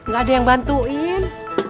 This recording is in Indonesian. gak ada yang bantuin